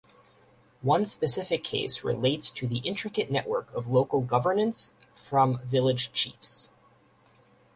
One specific case relates to the intricate network of local governance from village chiefs.